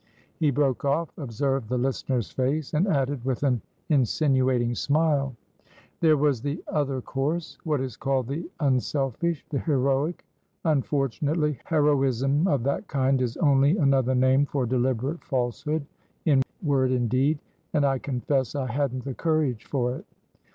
He broke off, observed the listener's face, and added with an insinuating smile: "There was the other coursewhat is called the unselfish, the heroic. Unfortunately, heroism of that kind is only another name for deliberate falsehood, in word and deed, and I confess I hadn't the courage for it.